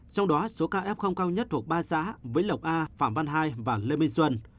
trong đó số kf cao nhất thuộc ba xã với lộc a phạm văn hai và lê minh xuân